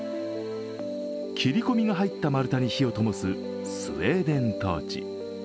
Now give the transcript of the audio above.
切り込みが入った丸太に火をともすスウェーデントーチ。